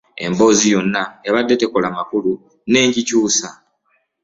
Emboozi yonna ebadde tekola makulu nengikyusa.